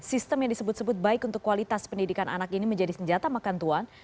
sistem yang disebut sebut baik untuk kualitas pendidikan anak ini menjadi senjata makan tuan